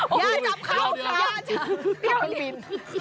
อย่าจับเขาอย่าจับพี่คุณปีน